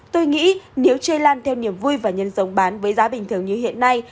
tôi nghĩ nếu chơi lan theo niềm vui và nhân giống bán với giá bình thường như hiện nay